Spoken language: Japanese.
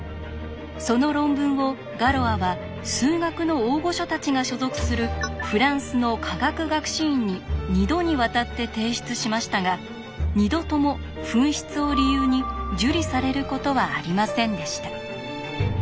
その論文をガロアは数学の大御所たちが所属するフランスの科学学士院に２度にわたって提出しましたが２度とも紛失を理由に受理されることはありませんでした。